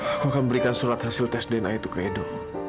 aku akan memberikan surat hasil tes dna itu ke edo